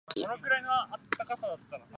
百万馬力